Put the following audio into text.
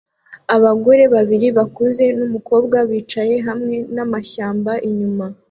Abagore babiri bakuze numukobwa bicaye hamwe namashyamba inyuma